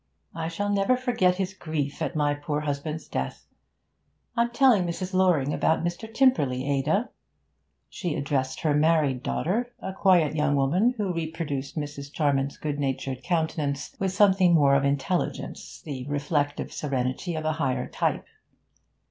I shall never forget his grief at my poor husband's death. I'm telling Mrs. Loring about Mr. Tymperley, Ada.' She addressed her married daughter, a quiet young woman who reproduced Mrs. Charman's good natured countenance, with something more of intelligence, the reflective serenity of a higher type.